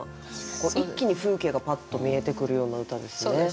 一気に風景がパッと見えてくるような歌ですね。